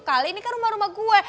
kali ini kan rumah rumah gue